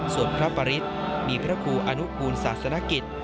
ส่วนพระปริศมีพระครูอนุกูลศาสนกิจ